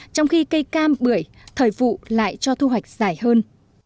trong khi cây cam bưởi thời vụ lại cho thu hoạch dài hơn